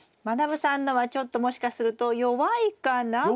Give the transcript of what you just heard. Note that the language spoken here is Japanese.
まなぶさんのはちょっともしかすると弱いかな。